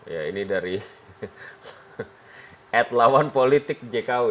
ya ini dari at lawan politik jkw